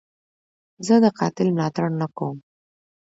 زه د قاتل ملاتړ نه کوم.